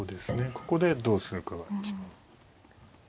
ここでどうするかが一番。